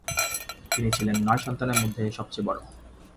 তিনি ছিলেন নয় সন্তানের মধ্যে সবচেয়ে বড়।